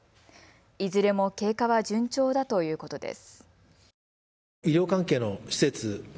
いずれも経過は順調だということです。